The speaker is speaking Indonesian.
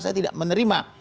saya tidak menerima